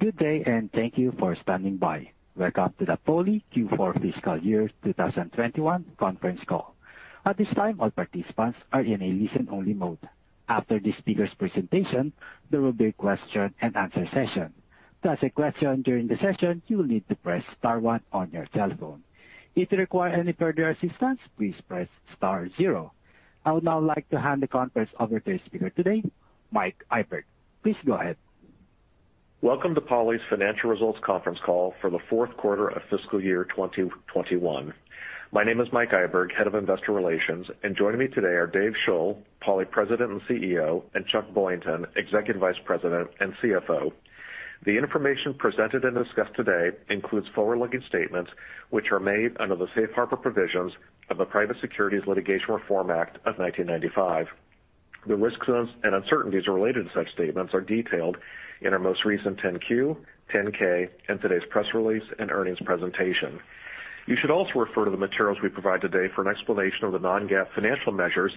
Good day, and thank you for standing by. Welcome to the Poly Q4 Fiscal Year 2021 Conference Call. At this time, all participants are in a listen-only mode. After the speakers' presentation, there will be a question and answer session. To ask a question during the session, you will need to press star one on your telephone. If you require any further assistance, please press star zero. I would now like to hand the conference over to the speaker today, Mike Iburg. Please go ahead. Welcome to Poly's Financial Results Conference Call for the fourth quarter of fiscal year 2021. My name is Mike Iburg, head of investor relations, and joining me today are Dave Shull, Poly President and CEO, and Chuck Boynton, Executive Vice President and CFO. The information presented and discussed today includes forward-looking statements, which are made under the safe harbor provisions of the Private Securities Litigation Reform Act of 1995. The risks and uncertainties related to such statements are detailed in our most recent 10-Q, 10-K, and today's press release and earnings presentation. You should also refer to the materials we provide today for an explanation of the non-GAAP financial measures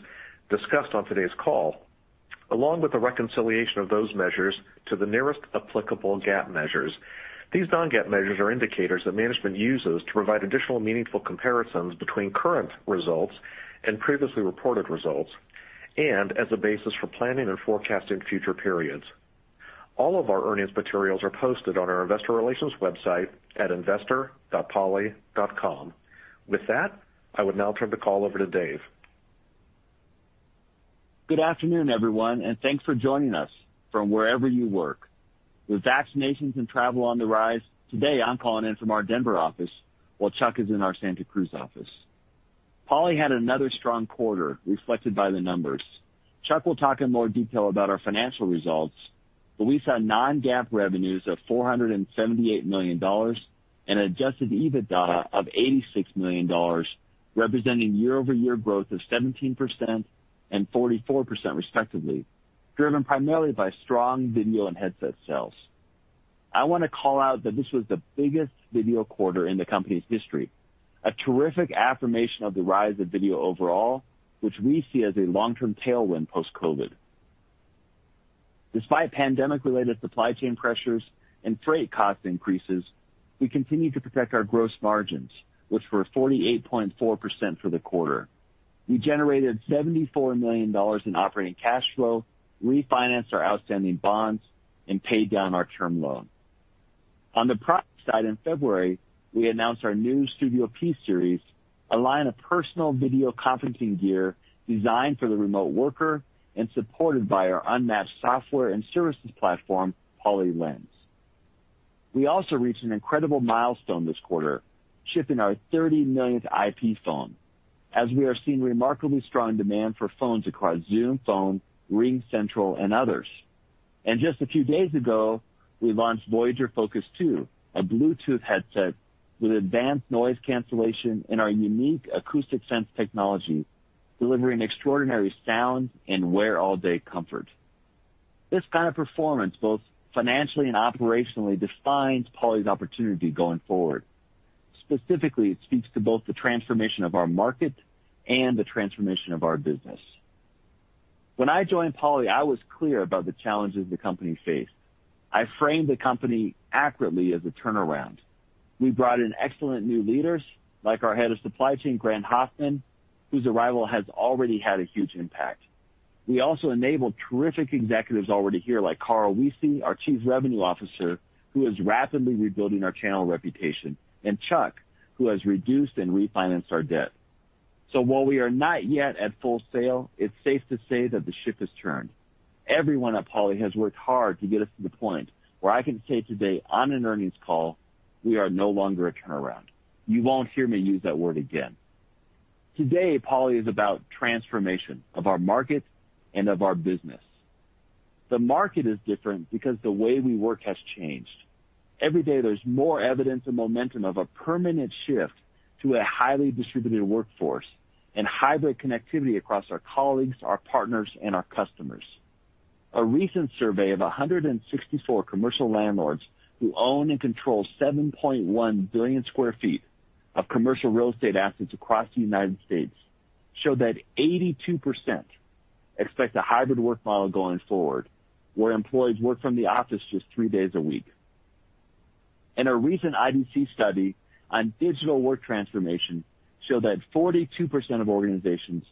discussed on today's call, along with the reconciliation of those measures to the nearest applicable GAAP measures. These non-GAAP measures are indicators that management uses to provide additional meaningful comparisons between current results and previously reported results, and as a basis for planning and forecasting future periods. All of our earnings materials are posted on our investor relations website at investor.poly.com. With that, I would now turn the call over to Dave. Good afternoon, everyone, and thanks for joining us from wherever you work. With vaccinations and travel on the rise, today I'm calling in from our Denver office while Chuck is in our Santa Cruz office. Poly had another strong quarter reflected by the numbers. Chuck will talk in more detail about our financial results, but we saw non-GAAP revenues of $478 million and adjusted EBITDA of $86 million, representing year-over-year growth of 17% and 44% respectively, driven primarily by strong video and headset sales. I want to call out that this was the biggest video quarter in the company's history, a terrific affirmation of the rise of video overall, which we see as a long-term tailwind post-COVID. Despite pandemic-related supply chain pressures and freight cost increases, we continue to protect our gross margins, which were 48.4% for the quarter. We generated $74 million in operating cash flow, refinanced our outstanding bonds, and paid down our term loan. On the product side in February, we announced our new Studio P Series, a line of personal video conferencing gear designed for the remote worker and supported by our unmatched software and services platform, Poly Lens. We also reached an incredible milestone this quarter, shipping our 30 millionth IP phone, as we are seeing remarkably strong demand for phones across Zoom Phone, RingCentral, and others. Just a few days ago, we launched Voyager Focus 2, a Bluetooth headset with advanced noise cancellation and our unique Acoustic Fence technology, delivering extraordinary sound and wear-all-day comfort. This kind of performance, both financially and operationally, defines Poly's opportunity going forward. Specifically, it speaks to both the transformation of our market and the transformation of our business. When I joined Poly, I was clear about the challenges the company faced. I framed the company accurately as a turnaround. We brought in excellent new leaders, like our Head of Supply Chain, Grant Hoffman, whose arrival has already had a huge impact. We also enabled terrific executives already here, like Carl Wiese, our Chief Revenue Officer, who is rapidly rebuilding our channel reputation, and Chuck, who has reduced and refinanced our debt. While we are not yet at full sail, it's safe to say that the ship has turned. Everyone at Poly has worked hard to get us to the point where I can say today on an earnings call, we are no longer a turnaround. You won't hear me use that word again. Today, Poly is about transformation of our market and of our business. The market is different because the way we work has changed. Every day, there's more evidence and momentum of a permanent shift to a highly distributed workforce and hybrid connectivity across our colleagues, our partners, and our customers. A recent survey of 164 commercial landlords who own and control 7.1 billion square feet of commercial real estate assets across the United States show that 82% expect a hybrid work model going forward, where employees work from the office just three days a week. In a recent IDC study on digital work transformation show that 42% of organizations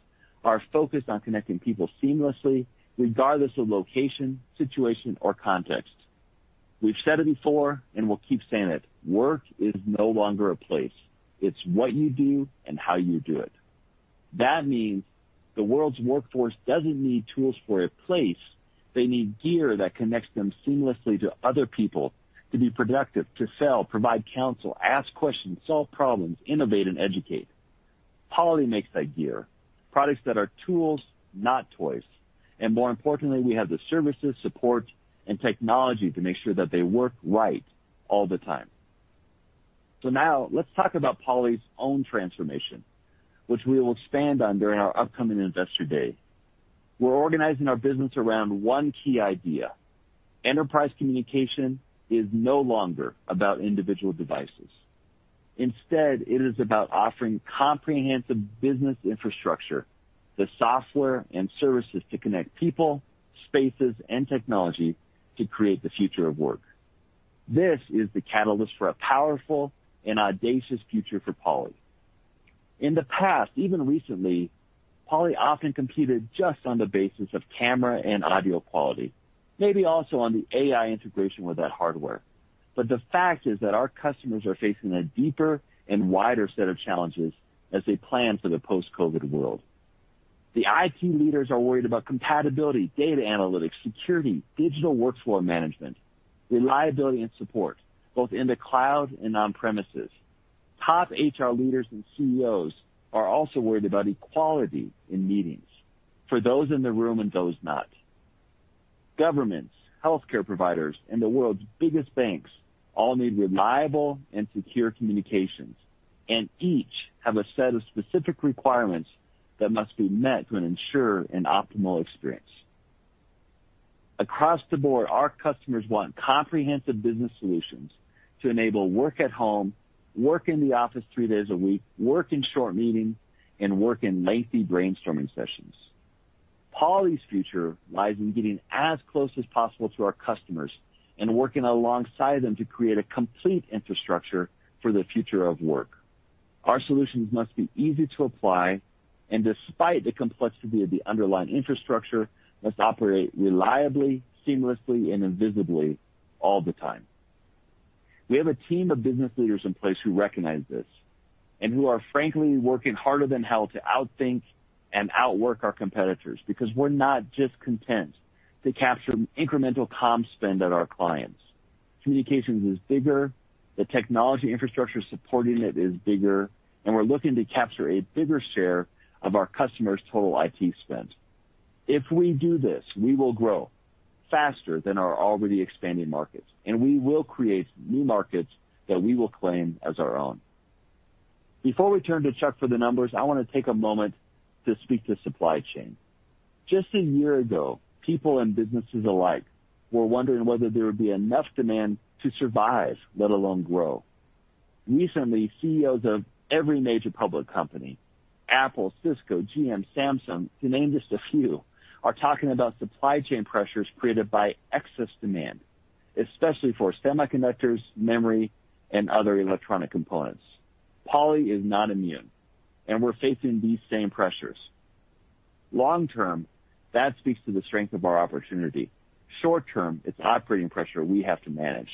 are focused on connecting people seamlessly, regardless of location, situation, or context. We've said it before, and we'll keep saying it, work is no longer a place. It's what you do and how you do it. That means the world's workforce doesn't need tools for a place. They need gear that connects them seamlessly to other people to be productive, to sell, provide counsel, ask questions, solve problems, innovate, and educate. Poly makes that gear, products that are tools, not toys, and more importantly, we have the services, support, and technology to make sure that they work right all the time. Now let's talk about Poly's own transformation, which we will expand on during our upcoming Investor Day. We're organizing our business around one key idea: Enterprise communication is no longer about individual devices. Instead, it is about offering comprehensive business infrastructure, the software and services to connect people, spaces, and technology to create the future of work. This is the catalyst for a powerful and audacious future for Poly. In the past, even recently, Poly often competed just on the basis of camera and audio quality, maybe also on the AI integration with that hardware. The fact is that our customers are facing a deeper and wider set of challenges as they plan for the post-COVID world. The IT leaders are worried about compatibility, data analytics, security, digital workflow management, reliability, and support, both in the cloud and on-premises. Top HR leaders and CEOs are also worried about equality in meetings for those in the room and those not. Governments, healthcare providers, and the world's biggest banks all need reliable and secure communications, and each have a set of specific requirements that must be met to ensure an optimal experience. Across the board, our customers want comprehensive business solutions to enable work at home, work in the office three days a week, work in short meetings, and work in lengthy brainstorming sessions. Poly's future lies in getting as close as possible to our customers and working alongside them to create a complete infrastructure for the future of work. Our solutions must be easy to apply, and despite the complexity of the underlying infrastructure, must operate reliably, seamlessly, and invisibly all the time. We have a team of business leaders in place who recognize this and who are frankly working harder than hell to outthink and outwork our competitors because we're not just content to capture incremental comm spend at our clients. Communications is bigger, the technology infrastructure supporting it is bigger, and we're looking to capture a bigger share of our customers' total IT spend. If we do this, we will grow faster than our already expanding markets, and we will create new markets that we will claim as our own. Before we turn to Chuck for the numbers, I want to take a moment to speak to supply chain. Just a year ago, people and businesses alike were wondering whether there would be enough demand to survive, let alone grow. Recently, CEOs of every major public company, Apple, Cisco, GM, Samsung, to name just a few, are talking about supply chain pressures created by excess demand, especially for semiconductors, memory, and other electronic components. Poly is not immune, and we're facing these same pressures. Long term, that speaks to the strength of our opportunity. Short term, it's operating pressure we have to manage.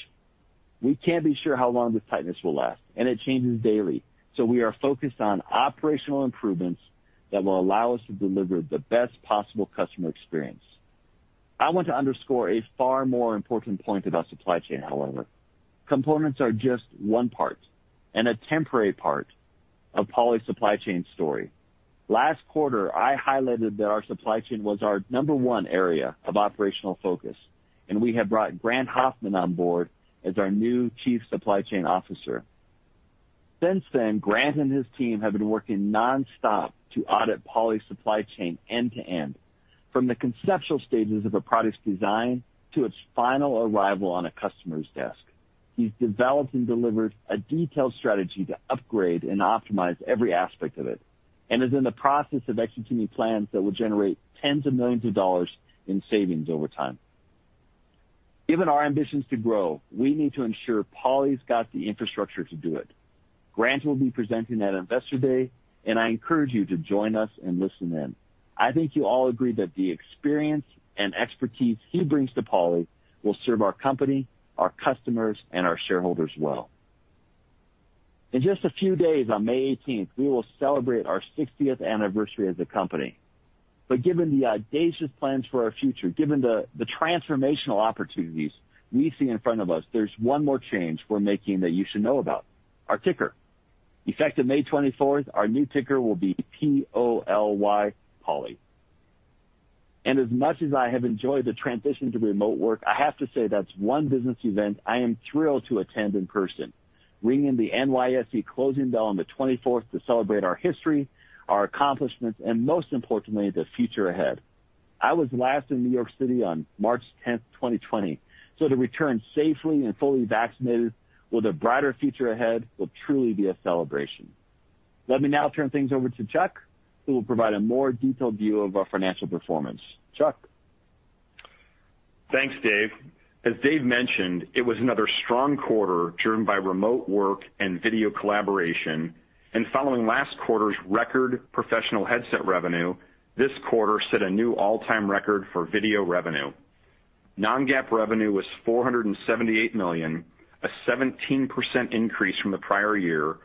We can't be sure how long this tightness will last, and it changes daily, so we are focused on operational improvements that will allow us to deliver the best possible customer experience. I want to underscore a far more important point about supply chain, however. Components are just one part and a temporary part of Poly's supply chain story. Last quarter, I highlighted that our supply chain was our number one area of operational focus, and we have brought Grant Hoffman on board as our new Chief Supply Chain Officer. Since then, Grant and his team have been working nonstop to audit Poly's supply chain end to end, from the conceptual stages of a product's design to its final arrival on a customer's desk. He's developed and delivered a detailed strategy to upgrade and optimize every aspect of it and is in the process of executing plans that will generate tens of millions of dollars in savings over time. Given our ambitions to grow, we need to ensure Poly's got the infrastructure to do it. Grant will be presenting at Investor Day, and I encourage you to join us and listen in. I think you'll all agree that the experience and expertise he brings to Poly will serve our company, our customers, and our shareholders well. In just a few days, on May 18th, we will celebrate our 60th anniversary as a company. Given the audacious plans for our future, given the transformational opportunities we see in front of us, there's one more change we're making that you should know about: our ticker. Effective May 24th, our new ticker will be P-O-L-Y, Poly. As much as I have enjoyed the transition to remote work, I have to say that's one business event I am thrilled to attend in person, ringing the NYSE closing bell on the 24th to celebrate our history, our accomplishments, and most importantly, the future ahead. I was last in New York City on March 10th, 2020, so to return safely and fully vaccinated with a brighter future ahead will truly be a celebration. Let me now turn things over to Chuck, who will provide a more detailed view of our financial performance. Chuck? Thanks, Dave. As Dave mentioned, it was another strong quarter driven by remote work and video collaboration, following last quarter's record professional headset revenue, this quarter set a new all-time record for video revenue. Non-GAAP revenue was $478 million, a 17% increase from the prior year,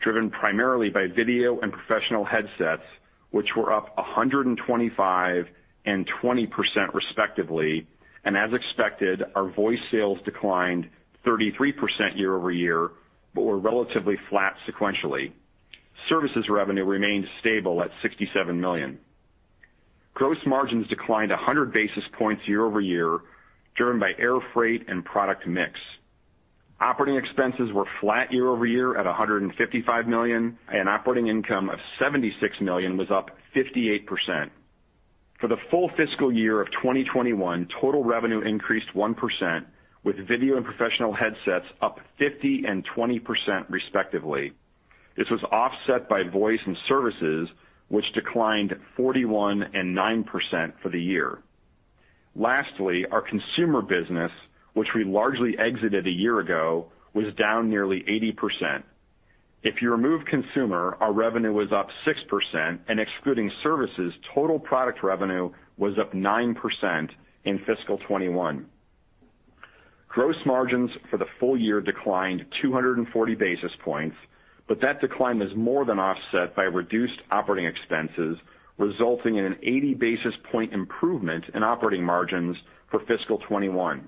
driven primarily by video and professional headsets, which were up 125% and 20% respectively. As expected, our voice sales declined 33% year-over-year, but were relatively flat sequentially. Services revenue remained stable at $67 million. Gross margins declined 100 basis points year-over-year, driven by air freight and product mix. Operating expenses were flat year-over-year at $155 million, and operating income of $76 million was up 58%. For the full fiscal year of 2021, total revenue increased 1%, with video and professional headsets up 50% and 20%, respectively. This was offset by voice and services, which declined 41 and 9% for the year. Lastly, our consumer business, which we largely exited a year ago, was down nearly 80%. If you remove consumer, our revenue was up 6%, and excluding services, total product revenue was up 9% in fiscal 2021. Gross margins for the full year declined 240 basis points, but that decline was more than offset by reduced operating expenses, resulting in an 80 basis point improvement in operating margins for fiscal 2021.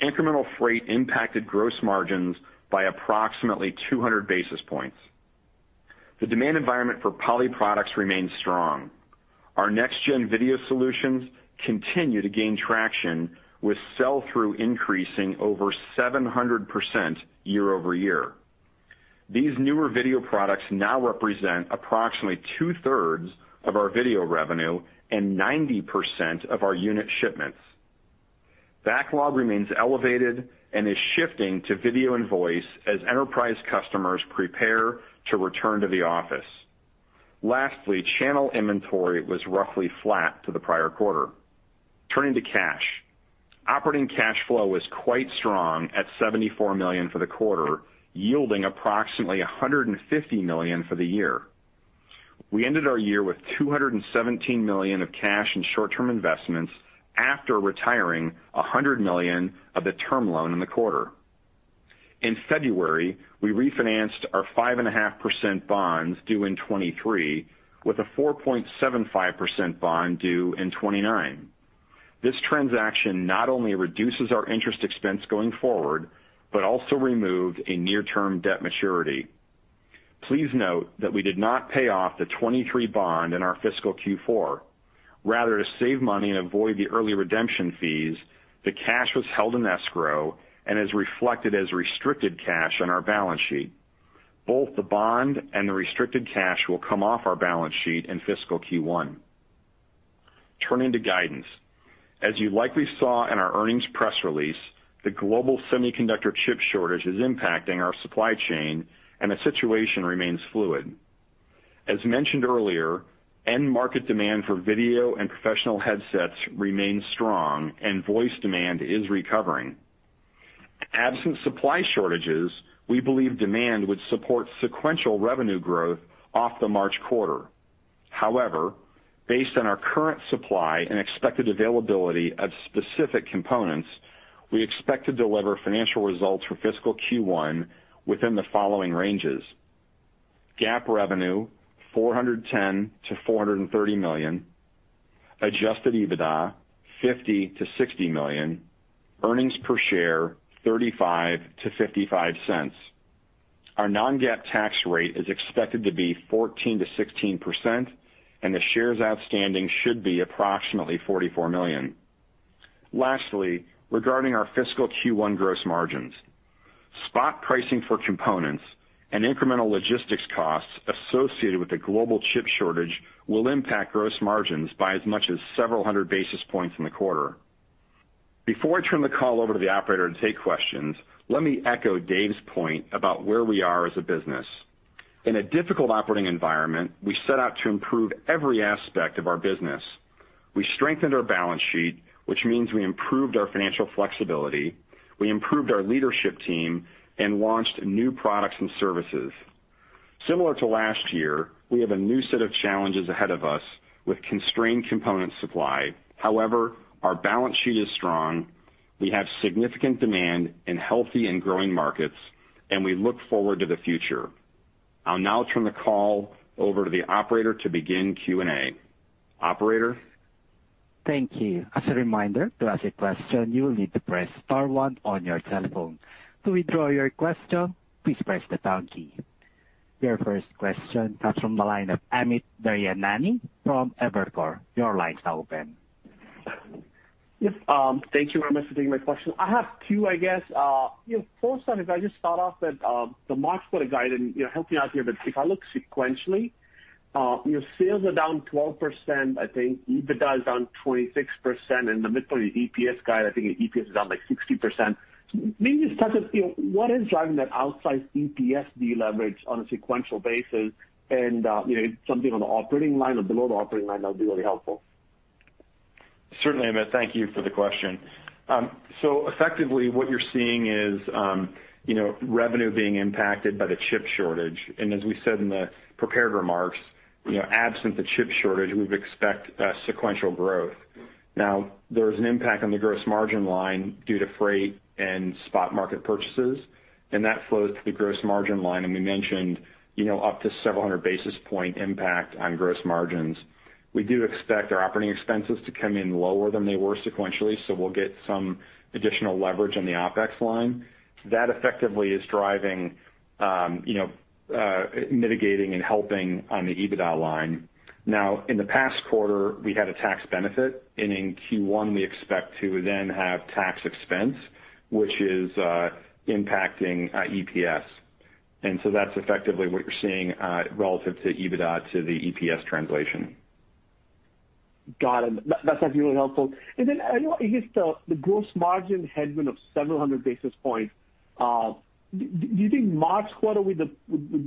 Incremental freight impacted gross margins by approximately 200 basis points. The demand environment for Poly products remains strong. Our next-gen video solutions continue to gain traction, with sell-through increasing over 700% year-over-year. These newer video products now represent approximately 2/3 of our video revenue and 90% of our unit shipments. Backlog remains elevated and is shifting to video and voice as enterprise customers prepare to return to the office. Lastly, channel inventory was roughly flat to the prior quarter. Turning to cash. Operating cash flow was quite strong at $74 million for the quarter, yielding approximately $150 million for the year. We ended our year with $217 million of cash and short-term investments after retiring $100 million of the term loan in the quarter. In February, we refinanced our 5.5% bonds due in 2023 with a 4.75% bond due in 2029. This transaction not only reduces our interest expense going forward, but also removed a near-term debt maturity. Please note that we did not pay off the 2023 bond in our fiscal Q4. Rather, to save money and avoid the early redemption fees, the cash was held in escrow and is reflected as restricted cash on our balance sheet. Both the bond and the restricted cash will come off our balance sheet in fiscal Q1. Turning to guidance. As you likely saw in our earnings press release, the global semiconductor chip shortage is impacting our supply chain and the situation remains fluid. As mentioned earlier, end market demand for video and professional headsets remains strong and voice demand is recovering. Absent supply shortages, we believe demand would support sequential revenue growth off the March quarter. However, based on our current supply and expected availability of specific components, we expect to deliver financial results for fiscal Q1 within the following ranges: GAAP revenue, $410 million-$430 million; adjusted EBITDA, $50 million-$60 million; earnings per share, $0.35-$0.55. Our non-GAAP tax rate is expected to be 14%-16%, and the shares outstanding should be approximately 44 million. Lastly, regarding our fiscal Q1 gross margins. Spot pricing for components and incremental logistics costs associated with the global chip shortage will impact gross margins by as much as several hundred basis points in the quarter. Before I turn the call over to the operator to take questions, let me echo Dave's point about where we are as a business. In a difficult operating environment, we set out to improve every aspect of our business. We strengthened our balance sheet, which means we improved our financial flexibility. We improved our leadership team and launched new products and services. Similar to last year, we have a new set of challenges ahead of us with constrained component supply. However, our balance sheet is strong, we have significant demand in healthy and growing markets, and we look forward to the future. I'll now turn the call over to the operator to begin Q&A. Operator? Thank you. As a reminder, to ask a question, you will need to press star one on your telephone. To withdraw your question, please press the pound key. Your first question comes from the line of Amit Daryanani from Evercore. Your line's now open. Yep. Thank you very much for taking my question. I have two, I guess. First, if I just start off with the March quarter guide and help me out here, but if I look sequentially, your sales are down 12%, I think. EBITDA is down 26%, and the midpoint of your EPS guide, I think your EPS is down, like, 16%. Maybe just touch on what is driving that outsized EPS deleverage on a sequential basis and if something on the operating line or below the operating line that would be really helpful. Certainly, Amit. Thank you for the question. Effectively, what you're seeing is revenue being impacted by the chip shortage. As we said in the prepared remarks, absent the chip shortage, we would expect sequential growth. There is an impact on the gross margin line due to freight and spot market purchases, and that flows to the gross margin line, and we mentioned up to several hundred basis point impact on gross margins. We do expect our operating expenses to come in lower than they were sequentially, so we'll get some additional leverage on the OpEx line. That effectively is driving mitigating and helping on the EBITDA line. In the past quarter, we had a tax benefit, and in Q1, we expect to then have tax expense, which is impacting EPS. That's effectively what you're seeing relative to EBITDA to the EPS translation. Got it. That's actually really helpful. I guess the gross margin headwind of 700 basis points, do you think March quarter would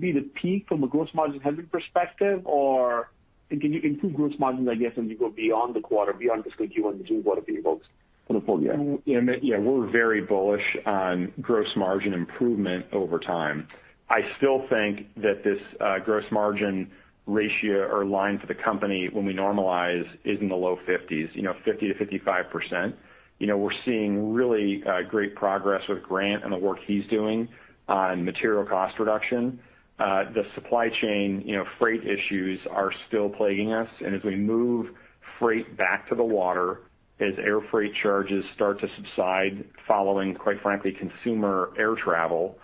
be the peak from a gross margin headwind perspective? Can you improve gross margins, I guess, as you go beyond the quarter, beyond fiscal Q1 and Q2 quarter, for the full year? Yeah. We're very bullish on gross margin improvement over time. I still think that this gross margin ratio or line for the company when we normalize, is in the low 50%s, 50%-55%. We're seeing really great progress with Grant and the work he's doing on material cost reduction. The supply chain freight issues are still plaguing us, as we move freight back to the water, as air freight charges start to subside following, quite frankly, consumer air travel,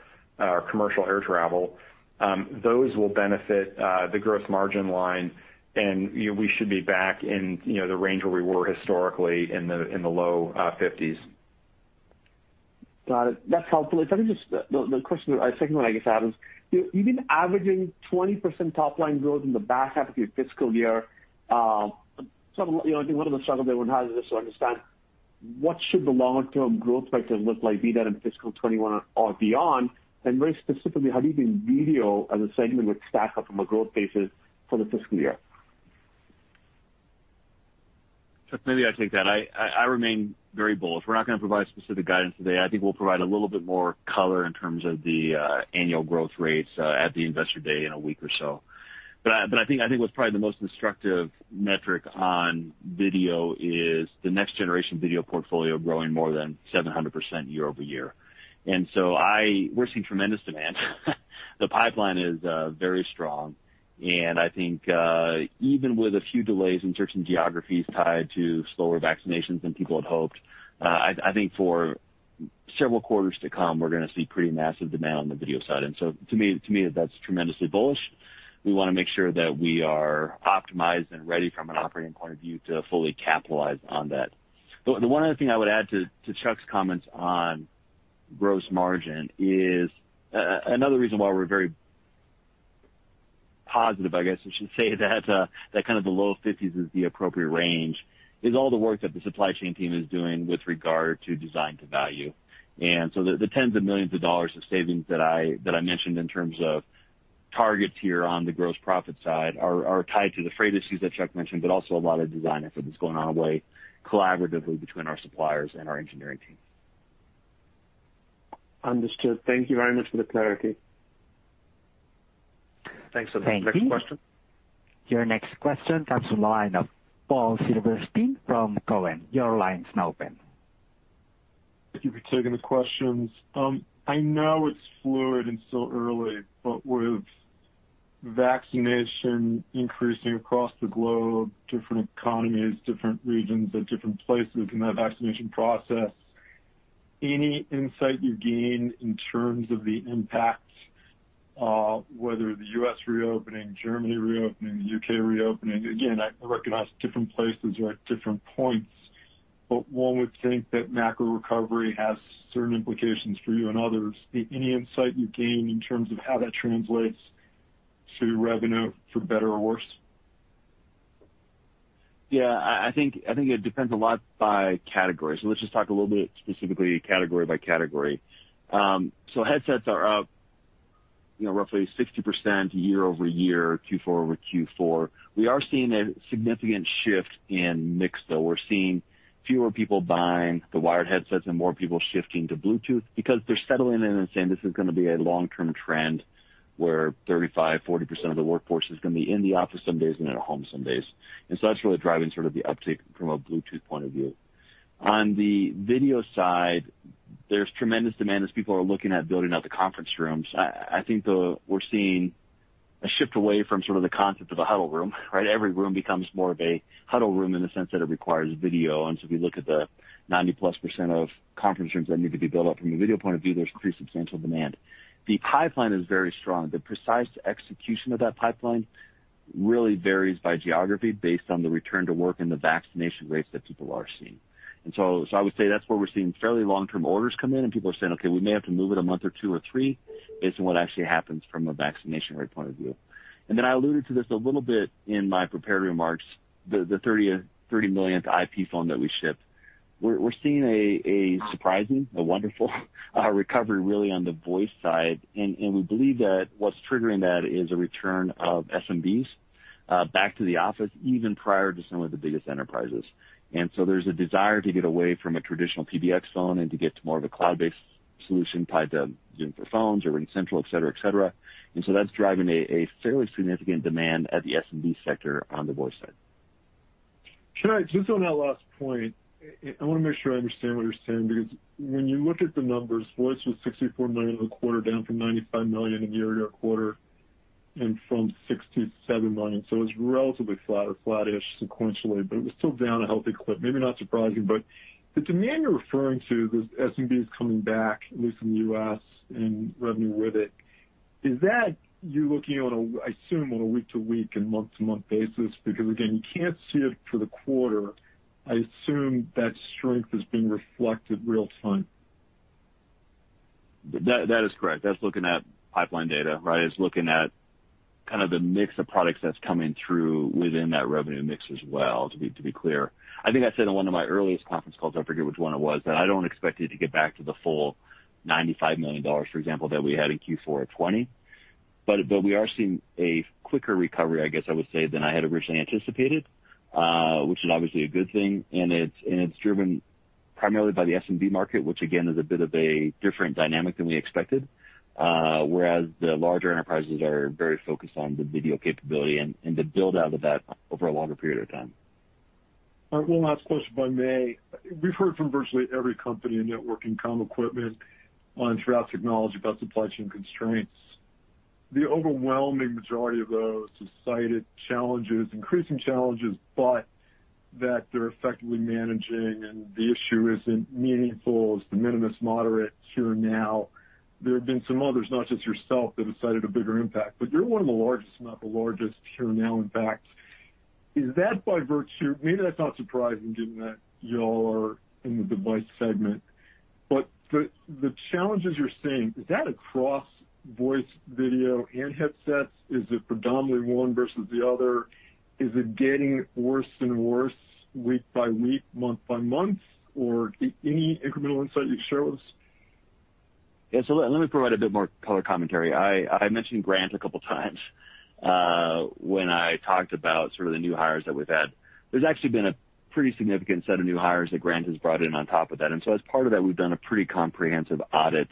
commercial air travel, those will benefit the gross margin line. We should be back in the range where we were historically in the low 50%s. Got it. That's helpful. If I could just, the question, second one I guess I have is, you've been averaging 20% top-line growth in the back half of your fiscal year. I think one of the struggles everyone has is just to understand what should the long-term growth factors look like, be that in fiscal 2021 or beyond, and very specifically, how do you think video as a segment would stack up from a growth basis for the fiscal year? Chuck, maybe I take that. I remain very bullish. We're not going to provide specific guidance today. I think we'll provide a little bit more color in terms of the annual growth rates at the investor day in a week or so. I think what's probably the most instructive metric on video is the next generation video portfolio growing more than 700% year-over-year. We're seeing tremendous demand. The pipeline is very strong, and I think even with a few delays in certain geographies tied to slower vaccinations than people had hoped, I think for several quarters to come, we're going to see pretty massive demand on the video side. To me, that's tremendously bullish. We want to make sure that we are optimized and ready from an operating point of view to fully capitalize on that. The one other thing I would add to Chuck's comments on gross margin is another reason why we're very positive, I guess I should say, that kind of the low 50%s is the appropriate range, is all the work that the supply chain team is doing with regard to design to value. The tens of millions of dollars of savings that I mentioned in terms of targets here on the gross profit side are tied to the freight issues that Chuck mentioned, but also a lot of design effort that's going on away collaboratively between our suppliers and our engineering team. Understood. Thank you very much for the clarity. Thanks. Next question. Thank you. Your next question comes from the line of Paul Silverstein from Cowen. Your line is now open. Thank you for taking the questions. I know it's fluid and still early. With vaccination increasing across the globe, different economies, different regions at different places in that vaccination process, any insight you've gained in terms of the impact, whether the U.S. reopening, Germany reopening, the U.K. reopening? Again, I recognize different places are at different points, but one would think that macro recovery has certain implications for you and others. Any insight you've gained in terms of how that translates to revenue for better or worse? Yeah, I think it depends a lot by category. Let's just talk a little bit specifically category by category. Headsets are up roughly 60% year-over-year, Q4 over Q4. We are seeing a significant shift in mix, though. We're seeing fewer people buying the wired headsets and more people shifting to Bluetooth because they're settling in and saying this is going to be a long-term trend where 35%, 40% of the workforce is going to be in the office some days and at home some days. That's really driving sort of the uptick from a Bluetooth point of view. On the video side, there's tremendous demand as people are looking at building out the conference rooms. I think though we're seeing a shift away from sort of the concept of a huddle room, right? Every room becomes more of a huddle room in the sense that it requires video. If you look at the 90%+ of conference rooms that need to be built out from a video point of view, there's pretty substantial demand. The pipeline is very strong. The precise execution of that pipeline really varies by geography based on the return to work and the vaccination rates that people are seeing. I would say that's where we're seeing fairly long-term orders come in and people are saying, "Okay, we may have to move it a month or two or three based on what actually happens from a vaccination rate point of view." Then I alluded to this a little bit in my prepared remarks, the 30 millionth IP phone that we shipped. We're seeing a surprising, a wonderful recovery really on the voice side and we believe that what's triggering that is a return of SMBs back to the office, even prior to some of the biggest enterprises. There's a desire to get away from a traditional PBX phone and to get to more of a cloud-based solution tied to Zoom Phone or RingCentral, et cetera. That's driving a fairly significant demand at the SMB sector on the voice side. Can I, just on that last point, I want to make sure I understand what you're saying because when you look at the numbers, voice was $64 million in the quarter down from $95 million in the year-ago quarter and from $67 million. It was relatively flat or flat-ish sequentially, but it was still down a healthy clip. Maybe not surprising, but the demand you're referring to, those SMBs coming back, at least in the U.S. in revenue with it, is that you looking on a, I assume, on a week-to-week and month-to-month basis? Again, you can't see it for the quarter. I assume that strength is being reflected real time. That is correct. That's looking at pipeline data, right? It's looking at kind of the mix of products that's coming through within that revenue mix as well, to be clear. I think I said on one of my earliest conference calls, I forget which one it was, that I don't expect it to get back to the full $95 million, for example, that we had in Q4 of 2020. We are seeing a quicker recovery, I guess I would say, than I had originally anticipated, which is obviously a good thing, and it's driven primarily by the SMB market, which again, is a bit of a different dynamic than we expected. Whereas the larger enterprises are very focused on the video capability and the build-out of that over a longer period of time. All right. One last question if I may. We've heard from virtually every company in networking comm equipment on throughout technology about supply chain constraints. The overwhelming majority of those have cited challenges, increasing challenges, but that they're effectively managing and the issue isn't meaningful. It's de minimis moderate here now. There have been some others, not just yourself, that have cited a bigger impact, but you're one of the largest, if not the largest here now, in fact. Is that by virtue? Maybe that's not surprising given that y'all are in the device segment. The challenges you're seeing, is that across voice, video, and headsets? Is it predominantly one versus the other? Is it getting worse and worse week by week, month by month, or any incremental insight you can share with us? Yeah. Let me provide a bit more color commentary. I mentioned Grant a couple times when I talked about sort of the new hires that we've had. There's actually been a pretty significant set of new hires that Grant has brought in on top of that. As part of that, we've done a pretty comprehensive audit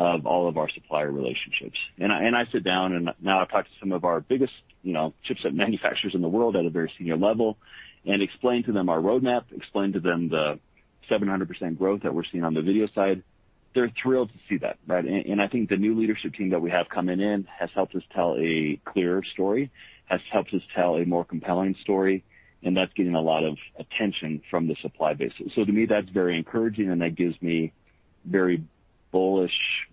of all of our supplier relationships. I sit down and now I've talked to some of our biggest chipset manufacturers in the world at a very senior level and explained to them our roadmap, explained to them the 700% growth that we're seeing on the video side. They're thrilled to see that, right? I think the new leadership team that we have coming in has helped us tell a clearer story, has helped us tell a more compelling story, and that's getting a lot of attention from the supply base. To me, that's very encouraging, and that gives me very bullish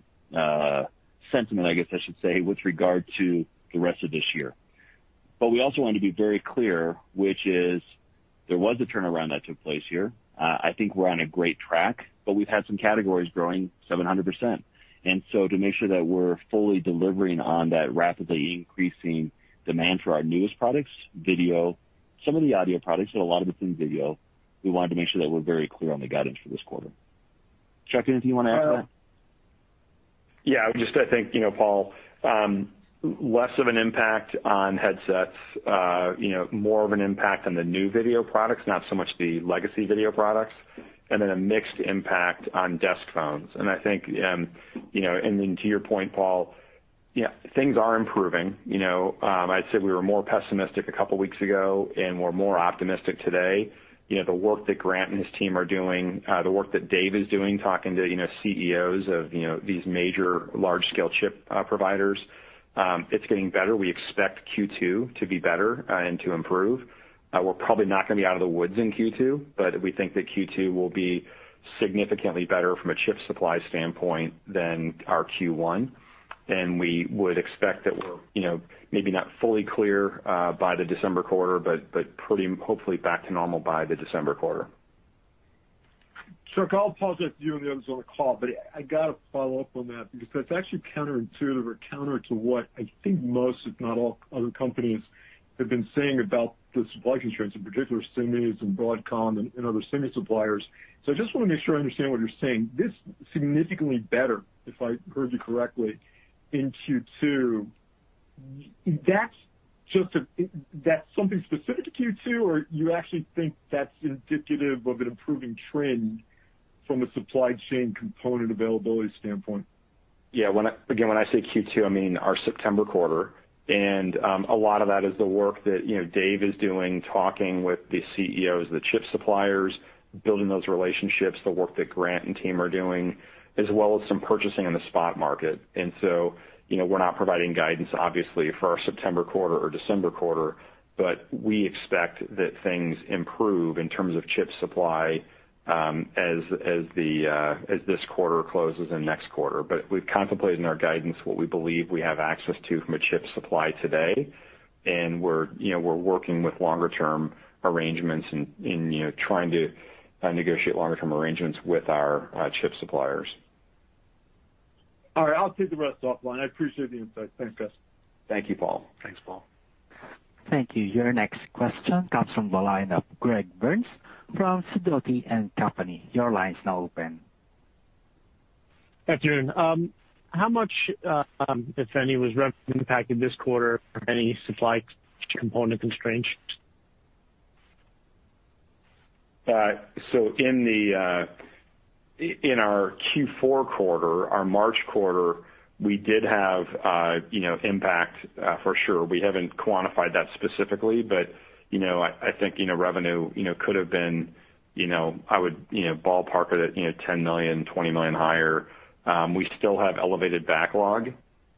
sentiment, I guess I should say, with regard to the rest of this year. We also want to be very clear, which is there was a turnaround that took place here. I think we're on a great track, but we've had some categories growing 700%. To make sure that we're fully delivering on that rapidly increasing demand for our newest products, video, some of the audio products, but a lot of it's in video, we wanted to make sure that we're very clear on the guidance for this quarter. Chuck, anything you want to add to that? Yeah. Just I think, Paul, less of an impact on headsets, more of an impact on the new video products, not so much the legacy video products, and then a mixed impact on desk phones. I think, and then to your point, Paul, yeah, things are improving. I'd say we were more pessimistic a couple of weeks ago, and we're more optimistic today. The work that Grant and his team are doing, the work that Dave is doing, talking to CEOs of these major large-scale chip providers, it's getting better. We expect Q2 to be better and to improve. We're probably not going to be out of the woods in Q2, but we think that Q2 will be significantly better from a chip supply standpoint than our Q1. We would expect that we're maybe not fully clear by the December quarter, but hopefully back to normal by the December quarter. Chuck, I'll pause after you and the others on the call. I got to follow up on that because that's actually counterintuitive or counter to what I think most, if not all other companies have been saying about the supply constraints, in particular, Synopsys and Broadcom and other Synopsys suppliers. I just want to make sure I understand what you're saying. This significantly better, if I heard you correctly, in Q2, that's something specific to Q2, or you actually think that's indicative of an improving trend from a supply chain component availability standpoint? Yeah. Again, when I say Q2, I mean our September quarter. A lot of that is the work that Dave is doing, talking with the CEOs, the chip suppliers, building those relationships, the work that Grant and team are doing, as well as some purchasing in the spot market. We're not providing guidance, obviously, for our September quarter or December quarter, but we expect that things improve in terms of chip supply as this quarter closes and next quarter. We've contemplated in our guidance what we believe we have access to from a chip supply today, and we're working with longer term arrangements and trying to negotiate longer term arrangements with our chip suppliers. All right. I'll take the rest offline. I appreciate the insight. Thanks, guys. Thank you, Paul. Thanks, Paul. Thank you. Your next question comes from the line of Greg Burns from Sidoti & Company. Your line is now open. Good afternoon. How much if any, was revenue impacted this quarter from any supply component constraints? In our Q4 quarter, our March quarter, we did have impact for sure. We haven't quantified that specifically, I think revenue could have been, I would ballpark it at $10 million-$20 million higher. We still have elevated backlog,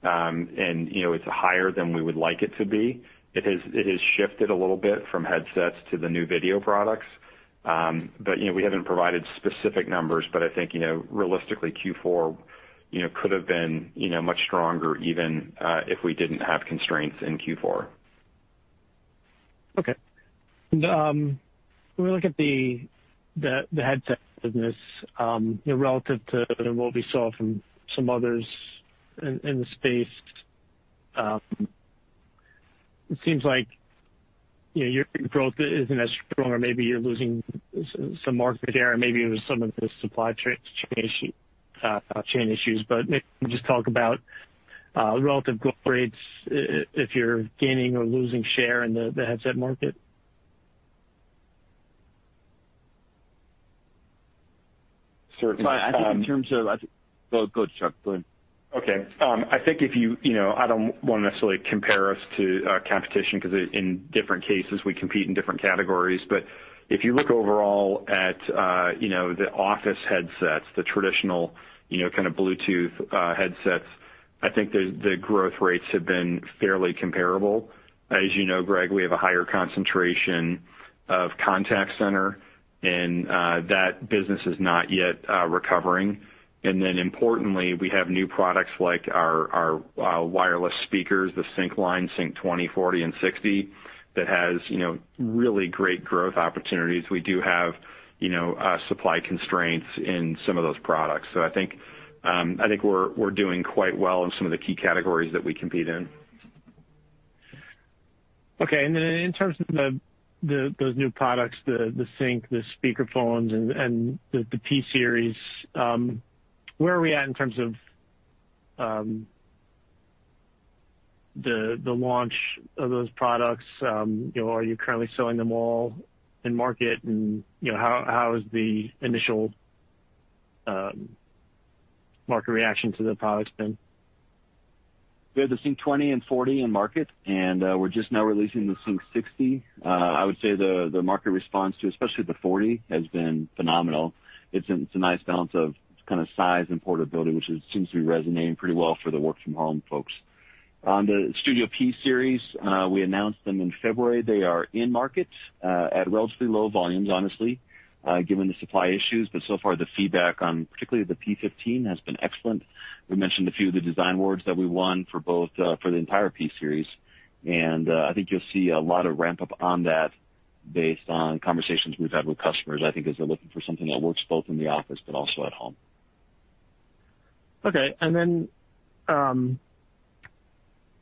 it's higher than we would like it to be. It has shifted a little bit from headsets to the new video products. We haven't provided specific numbers, I think realistically Q4 could have been much stronger even if we didn't have constraints in Q4. Okay. When we look at the headset business relative to what we saw from some others in the space, it seems like your growth isn't as strong or maybe you're losing some market share and maybe it was some of the supply chain issues. Maybe just talk about relative growth rates, if you're gaining or losing share in the headset market. Certainly. I think in terms of Go, Chuck. Go ahead. Okay. I don't want to necessarily compare us to competition because in different cases, we compete in different categories. If you look overall at the office headsets, the traditional kind of Bluetooth headsets, I think the growth rates have been fairly comparable. As you know, Greg, we have a higher concentration of contact center and that business is not yet recovering. Importantly, we have new products like our wireless speakers, the Sync line, Sync 20, 40, and 60, that has really great growth opportunities. We do have supply constraints in some of those products. I think we're doing quite well in some of the key categories that we compete in. Okay. In terms of those new products, the Sync, the speakerphones, and the P Series, where are we at in terms of the launch of those products? Are you currently selling them all in market? How has the initial market reaction to the products been? We have the Sync 20 and 40 in market, and we're just now releasing the Sync 60. I would say the market response to, especially the 40, has been phenomenal. It's a nice balance of size and portability, which seems to be resonating pretty well for the work-from-home folks. On the Studio P Series, we announced them in February. They are in market at relatively low volumes, honestly, given the supply issues. So far, the feedback on particularly the P15 has been excellent. We mentioned a few of the design awards that we won for the entire P Series, and I think you'll see a lot of ramp-up on that based on conversations we've had with customers, I think, as they're looking for something that works both in the office but also at home. Okay.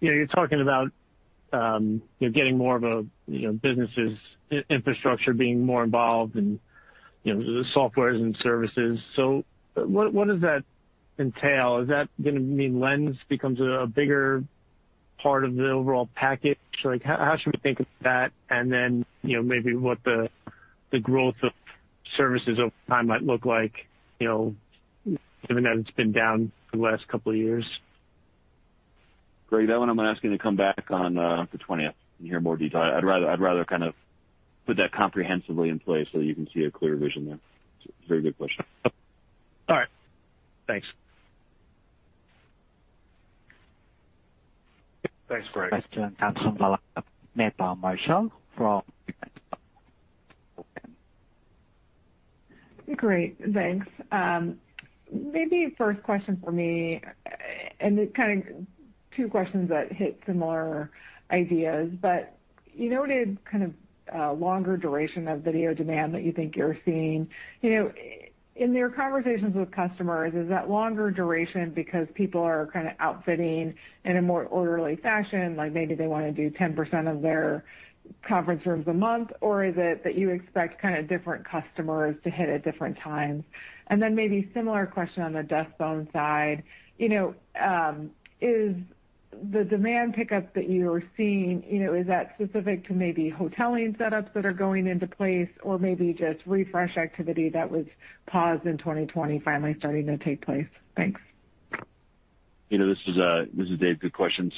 You're talking about getting more of a business' infrastructure being more involved in the softwares and services. What does that entail? Is that going to mean Poly Lens becomes a bigger part of the overall package? How should we think of that? Maybe what the growth of services over time might look like, given that it's been down for the last couple of years. Greg, that one I'm going to ask you to come back on the 20th and hear more detail. I'd rather kind of put that comprehensively in place so that you can see a clear vision there. It's a very good question. All right. Thanks. Thanks, Greg. Question comes from the line of Meta Marshall from. Great. Thanks. Maybe first question for me, it kind of two questions that hit similar ideas, but you noted kind of a longer duration of video demand that you think you're seeing. In your conversations with customers, is that longer duration because people are kind of outfitting in a more orderly fashion? Maybe they want to do 10% of their conference rooms a month, or is it that you expect kind of different customers to hit at different times? Maybe similar question on the desk phone side. Is the demand pickup that you are seeing, is that specific to maybe hoteling setups that are going into place or maybe just refresh activity that was paused in 2020 finally starting to take place? Thanks. This is Dave. Good question.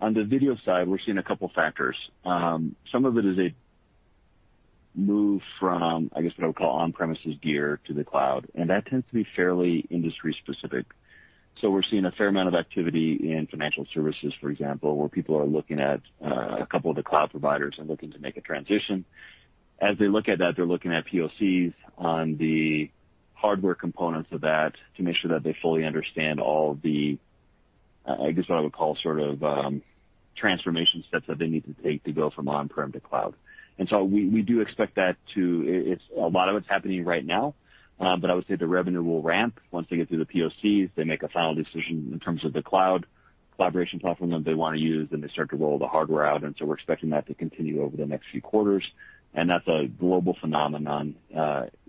On the video side, we're seeing a couple factors. Some of it is a move from, I guess what I would call on-premises gear to the cloud, and that tends to be fairly industry specific. We're seeing a fair amount of activity in financial services, for example, where people are looking at a couple of the cloud providers and looking to make a transition. As they look at that, they're looking at POCs on the hardware components of that to make sure that they fully understand all the, I guess what I would call sort of transformation steps that they need to take to go from on-prem to cloud. A lot of it's happening right now, but I would say the revenue will ramp once they get through the POCs, they make a final decision in terms of the cloud collaboration platform that they want to use, they start to roll the hardware out. We're expecting that to continue over the next few quarters, and that's a global phenomenon,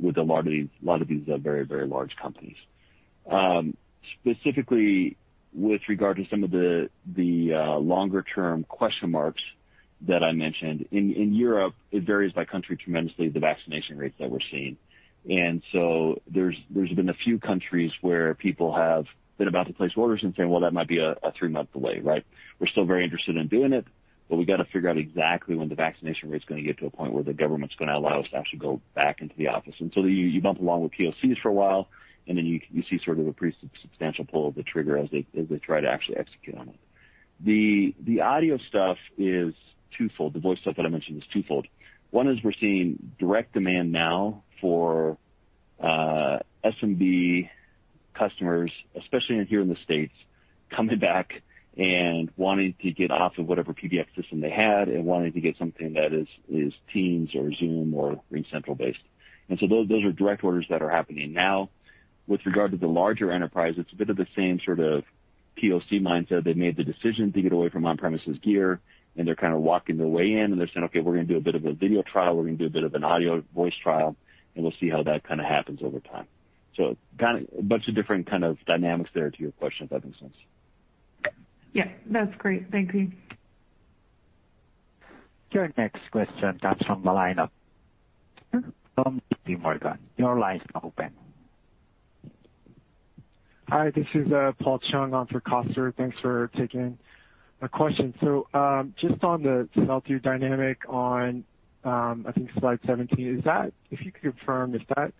with a lot of these very large companies. Specifically, with regard to some of the longer-term question marks that I mentioned, in Europe, it varies by country tremendously, the vaccination rates that we're seeing. There's been a few countries where people have been about to place orders and saying, "Well, that might be a three-month delay." We're still very interested in doing it, but we got to figure out exactly when the vaccination rate's going to get to a point where the government's going to allow us to actually go back into the office. You bump along with POCs for a while, and then you see sort of a pretty substantial pull of the trigger as they try to actually execute on it. The audio stuff is twofold. The voice stuff that I mentioned is twofold. One is we're seeing direct demand now for SMB customers, especially here in the States, coming back and wanting to get off of whatever PBX system they had and wanting to get something that is Teams or Zoom or RingCentral based. Those are direct orders that are happening now. With regard to the larger enterprise, it's a bit of the same sort of POC mindset. They've made the decision to get away from on-premises gear, and they're kind of walking their way in, and they're saying, "Okay, we're going to do a bit of a video trial, we're going to do a bit of an audio voice trial, and we'll see how that kind of happens over time." Kind of a bunch of different kind of dynamics there to your question, if that makes sense. Yeah, that's great. Thank you. Your next question comes from the line of Paul Chung. Your line is open. Hi, this is Paul Chung on for Coster. Thanks for taking my question. Just on the sell-through dynamic on, I think slide 17, if you could confirm, is that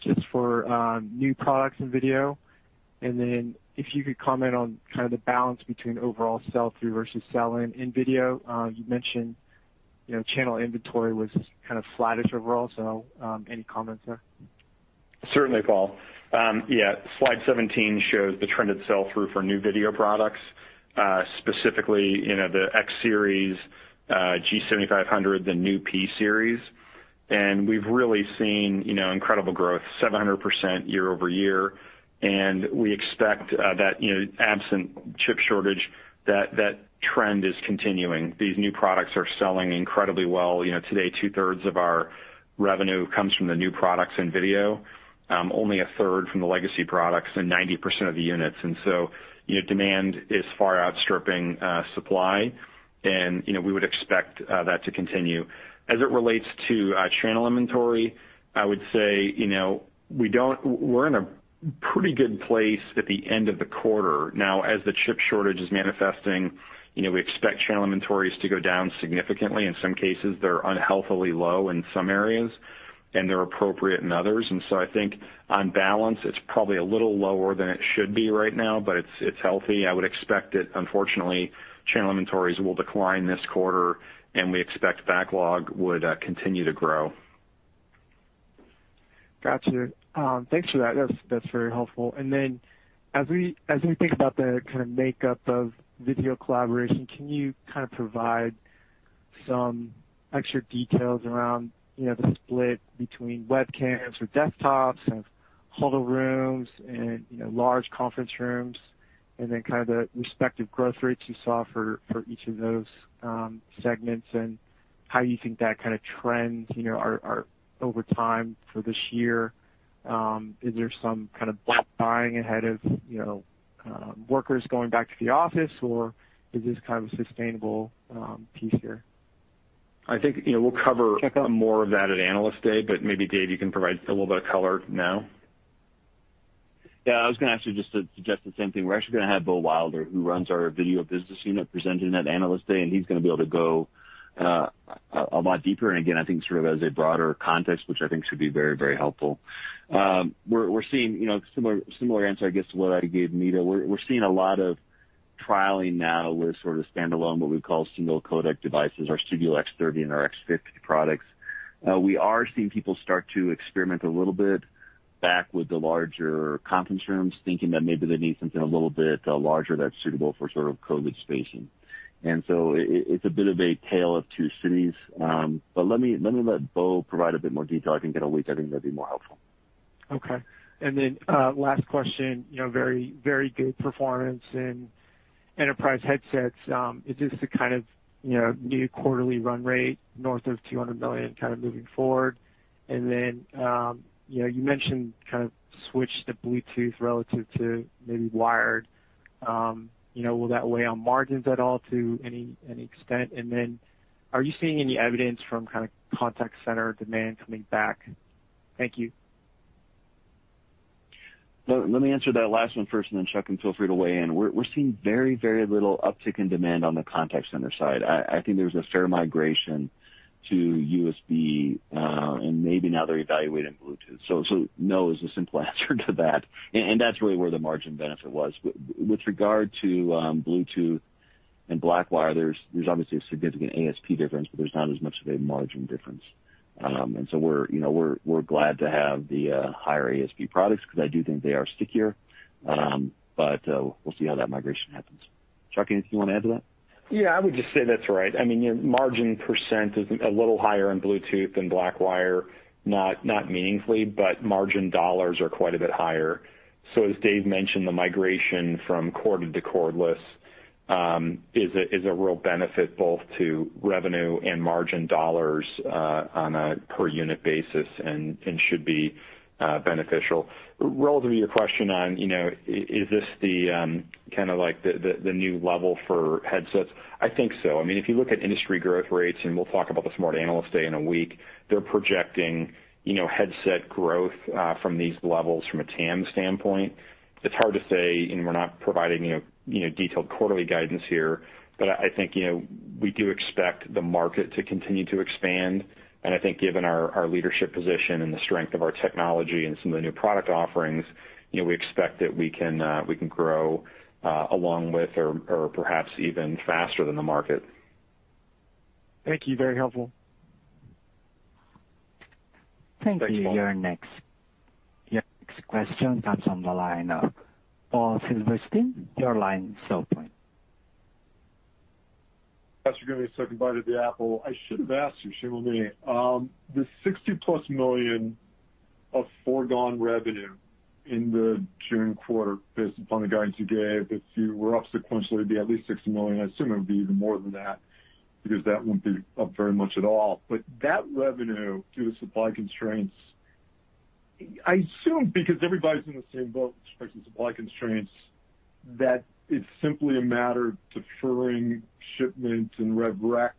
just for new products in video? If you could comment on kind of the balance between overall sell-through versus sell-in in video. You mentioned channel inventory was kind of flattish overall, any comments there? Certainly, Paul. Yeah, slide 17 shows the trend in sell-through for new video products, specifically the Poly Studio X Series, Poly G7500, the new Poly Studio P Series. We've really seen incredible growth, 700% year-over-year. We expect that, absent chip shortage, that trend is continuing. These new products are selling incredibly well. Today, two-thirds of our revenue comes from the new products in video. Only a third from the legacy products and 90% of the units. Demand is far outstripping supply, and we would expect that to continue. As it relates to channel inventory, I would say we're in a pretty good place at the end of the quarter. Now, as the chip shortage is manifesting, we expect channel inventories to go down significantly. In some cases, they're unhealthily low in some areas, and they're appropriate in others. I think on balance, it's probably a little lower than it should be right now, but it's healthy. I would expect that unfortunately, channel inventories will decline this quarter, and we expect backlog would continue to grow. Got you. Thanks for that. That's very helpful. As we think about the kind of makeup of video collaboration, can you kind of provide some extra details around the split between webcams or desktops and huddle rooms and large conference rooms, and then kind of the respective growth rates you saw for each of those segments and how you think that kind of trends over time for this year? Is there some kind of bulk buying ahead of workers going back to the office, or is this kind of a sustainable piece here? I think we'll cover more of that at Analyst Day, but maybe Dave, you can provide a little bit of color now. Yeah, I was going to actually just suggest the same thing. We're actually going to have Beau Wilder, who runs our video business unit, presenting at Analyst Day. He's going to be able to go a lot deeper. Again, I think sort of as a broader context, which I think should be very helpful. We're seeing similar answer, I guess, to what I gave Meta Marshall. We're seeing a lot of trialing now with sort of standalone, what we call single codec devices, our Studio X30 and our Studio X50 products. We are seeing people start to experiment a little bit back with the larger conference rooms, thinking that maybe they need something a little bit larger that's suitable for sort of COVID spacing. It's a bit of a tale of two cities. Let me let Beau provide a bit more detail, I think in a week. I think that'd be more helpful. Okay. Last question. Very good performance in Enterprise headsets. Is this the kind of new quarterly run rate north of $200 million kind of moving forward? You mentioned kind of switch to Bluetooth relative to maybe wired. Will that weigh on margins at all to any extent? Are you seeing any evidence from kind of contact center demand coming back? Thank you. Let me answer that last one first, and then Chuck can feel free to weigh in. We're seeing very little uptick in demand on the contact center side. I think there's a fair migration to USB, and maybe now they're evaluating Bluetooth. No, is the simple answer to that. That's really where the margin benefit was. With regard to Bluetooth and Blackwire, there's obviously a significant ASP difference, but there's not as much of a margin difference. We're glad to have the higher ASP products because I do think they are stickier. We'll see how that migration happens. Chuck, anything you want to add to that? Yeah, I would just say that's right. I mean, your margin percentage is a little higher in Bluetooth than Blackwire, not meaningfully, margin dollars are quite a bit higher. As Dave mentioned, the migration from corded to cordless is a real benefit both to revenue and margin dollars on a per unit basis and should be beneficial. Relative to your question on, is this the kind of like the new level for headsets? I think so. I mean, if you look at industry growth rates, we'll talk about this more at Analyst Day in a week, they're projecting headset growth from these levels from a TAM standpoint. It's hard to say, and we're not providing detailed quarterly guidance here, but I think we do expect the market to continue to expand, and I think given our leadership position and the strength of our technology and some of the new product offerings, we expect that we can grow along with or perhaps even faster than the market. Thank you. Very helpful. Thank you. Your next question comes on the line of Paul Silverstein. Your line is open. Thanks for giving me a second bite at the Apple. I should have asked you, Shimolee, the $60+ million of foregone revenue in the June quarter, based upon the guidance you gave, if you were up sequentially, it'd be at least $60 million. I assume it would be even more than that, because that won't be up very much at all. That revenue due to supply constraints, I assume, because everybody's in the same boat with respect to supply constraints, that it's simply a matter of deferring shipments and rev rec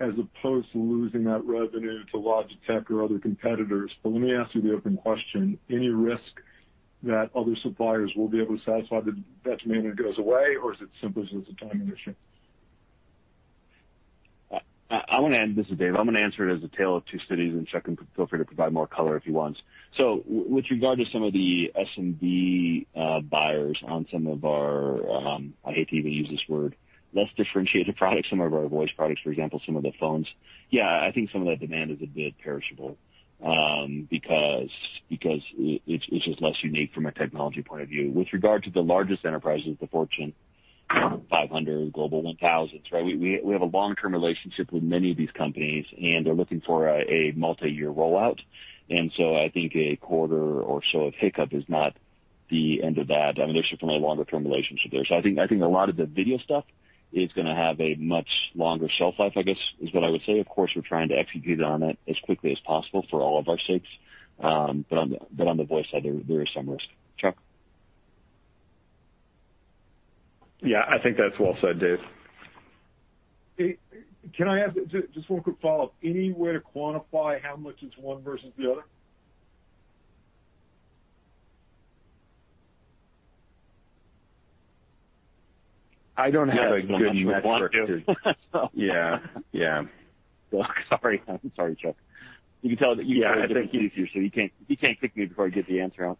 as opposed to losing that revenue to Logitech or other competitors. Let me ask you the open question. Any risk that other suppliers will be able to satisfy the demand that goes away, or is it simply just a timing issue? This is Dave. I'm going to answer it as a tale of two cities and Chuck can feel free to provide more color if he wants. With regard to some of the SMB buyers on some of our, I hate to even use this word, less differentiated products, some of our voice products, for example, some of the phones. Yeah, I think some of that demand is a bit perishable, because it's just less unique from a technology point of view. With regard to the largest enterprises, the Fortune 500, Global 1000s, we have a long-term relationship with many of these companies, and they're looking for a multi-year rollout. I think a quarter or so of hiccup is not the end of that. There's certainly a longer-term relationship there. I think a lot of the video stuff is going to have a much longer shelf life, I guess, is what I would say. Of course, we're trying to execute on it as quickly as possible for all of our sakes. On the voice side, there is some risk. Chuck? Yeah, I think that's well said, Dave. Can I ask just one quick follow-up? Any way to quantify how much it's one versus the other? I don't have a good metric. Yeah. Sorry, Chuck. You can tell that you. Yeah. You can't kick me before I get the answer out.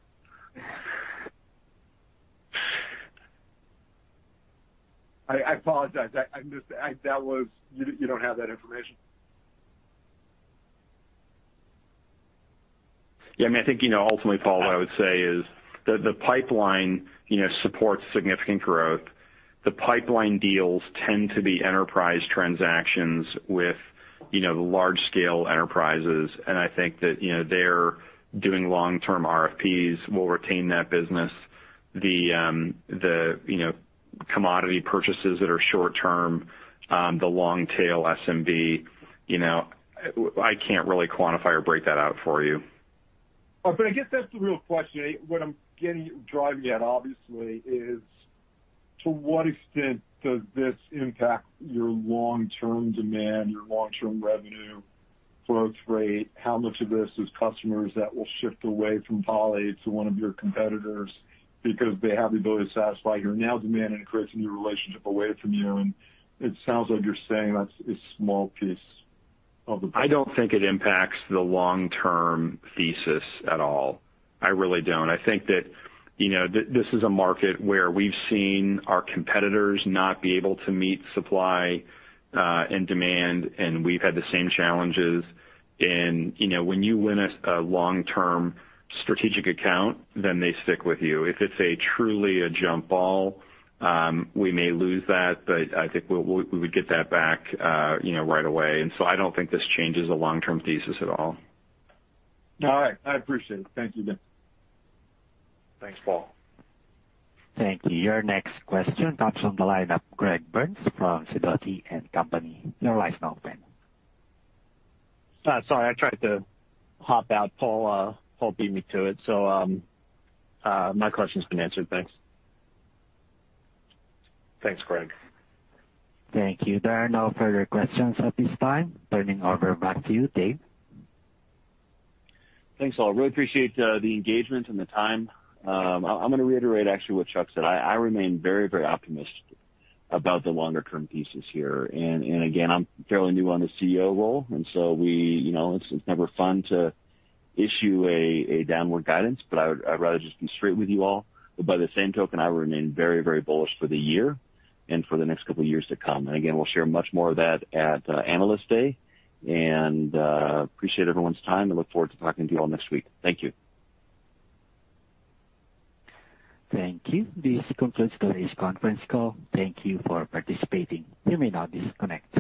I apologize. You don't have that information? Yeah, I think ultimately, Paul, what I would say is the pipeline supports significant growth. The pipeline deals tend to be enterprise transactions with large-scale enterprises. I think that they're doing long-term RFPs, we'll retain that business. The commodity purchases that are short-term, the long-tail SMB, I can't really quantify or break that out for you. I guess that's the real question. What I'm driving at obviously is to what extent does this impact your long-term demand, your long-term revenue growth rate? How much of this is customers that will shift away from Poly to one of your competitors because they have the ability to satisfy your now demand and create a new relationship away from you? It sounds like you're saying that's a small piece of the. I don't think it impacts the long-term thesis at all. I really don't. I think that this is a market where we've seen our competitors not be able to meet supply and demand, we've had the same challenges. When you win a long-term strategic account, then they stick with you. If it's truly a jump ball, we may lose that, but I think we would get that back right away. I don't think this changes the long-term thesis at all. All right. I appreciate it. Thank you, Dave. Thanks, Paul. Thank you. Your next question comes from the line of Greg Burns from Sidoti & Company. Your line is now open. Sorry, I tried to hop out. Paul beat me to it, so my question's been answered. Thanks. Thanks, Greg. Thank you. There are no further questions at this time. Turning it over back to you, Dave. Thanks, all. Really appreciate the engagement and the time. I'm going to reiterate actually what Chuck said. I remain very optimistic about the longer-term thesis here. Again, I'm fairly new on the CEO role, it's never fun to issue a downward guidance, but I would rather just be straight with you all. By the same token, I remain very bullish for the year and for the next couple of years to come. Again, we'll share much more of that at Analyst Day, and appreciate everyone's time and look forward to talking to you all next week. Thank you. Thank you. This concludes today's conference call. Thank you for participating. You may now disconnect.